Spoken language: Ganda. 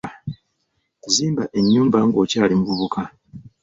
Zimba ennyumba ng'okyali muvubuka.